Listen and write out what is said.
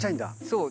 そう。